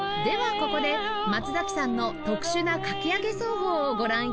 ここで松崎さんの特殊なかき上げ奏法をご覧頂きます